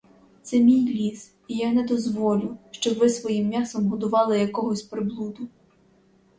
Це мій ліс, і я не дозволю, щоб ви своїм м'ясом годували якогось приблуду.